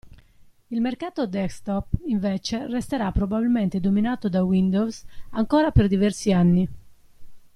Il mercato desktop invece resterà probabilmente dominato da Windows ancora per diversi anni.